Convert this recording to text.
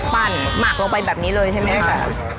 พันธุ์หมักลงไปแบบนี้เลยใช่ไหมค่ะ